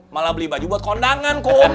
malah beli baju buat kondangan kok